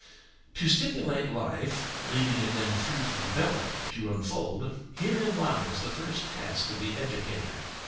To stimulate life,–leaving it then free to develop, to unfold,–herein lies the first task of the educator.